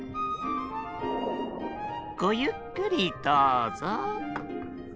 ごゆっくりどうぞ。